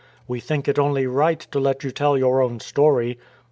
We think it only right to let you tell your own story.